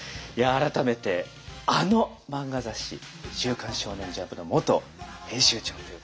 改めてあの漫画雑誌「週刊少年ジャンプ」の元編集長ということでね